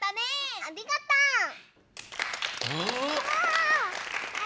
ありがとう！わあ！